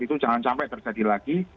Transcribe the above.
itu jangan sampai terjadi lagi